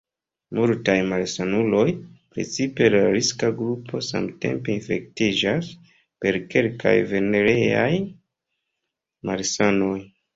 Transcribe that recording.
Multaj malsanuloj, precipe el la riska grupo, samtempe infektiĝas per kelkaj venereaj malsanoj.